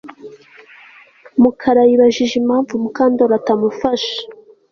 Mukara yibajije impamvu Mukandoli atamufasha